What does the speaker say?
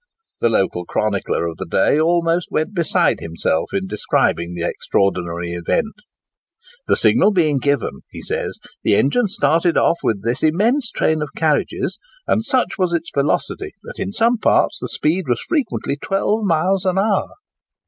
The local chronicler of the day almost went beside himself in describing the extraordinary event:—"The signal being given," he says, "the engine started off with this immense train of carriages; and such was its velocity, that in some parts the speed was frequently 12 miles an hour!"